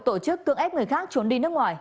tổ chức cưỡng ép người khác trốn đi nước ngoài